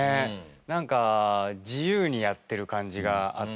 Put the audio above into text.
なんか自由にやってる感じがあって。